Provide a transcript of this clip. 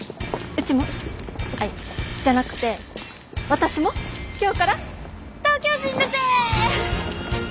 うちもアイじゃなくて私も今日から東京人だぜ！